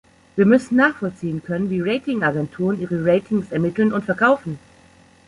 Wir müssen nachvollziehen können, wie Rating-Agenturen ihre Ratings ermitteln und verkaufen.